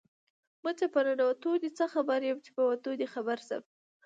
ـ مچه په نتو دې څه خبر يم ،چې په وتو دې خبر شم.